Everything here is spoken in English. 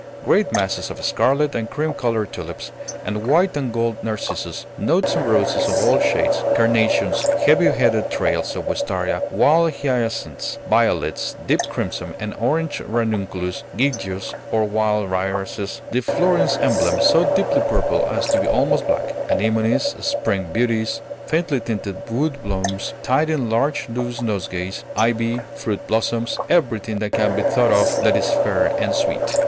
Great masses of scarlet and cream colored tulips, and white and gold narcissus, knots of roses of all shades, carnations, heavy headed trails of wistaria, wild hyacinths, violets, deep crimson and orange ranunculus, giglios, or wild irises, the Florence emblem, so deeply purple as to be almost black, anemones, spring beauties, faintly tinted wood blooms tied in large loose nosegays, ivy, fruit blossoms, everything that can be thought of that is fair and sweet.